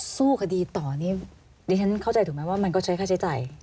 สู้คดีต่อนี่ดิฉันเข้าใจถูกไหมว่ามันก็ใช้ค่าใช้จ่าย